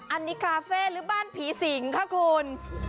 อันนี้คาเฟ่หรือบ้านผีสิงค่ะคุณ